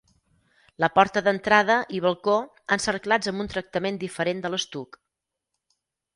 La porta d'entrada i balcó encerclats amb un tractament diferent de l'estuc.